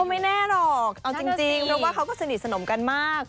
ไม่แน่หรอกเอาจริงเพราะว่าเขาก็สนิทสนมกันมาก